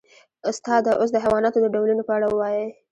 استاده اوس د حیواناتو د ډولونو په اړه ووایئ